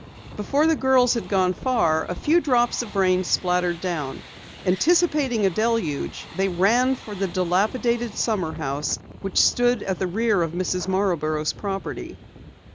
Before the girls had gone far, a few drops of rain splattered down. Anticipating a deluge, they ran for the dilapidated summer house which stood at the rear edge of Mrs. Marborough's property.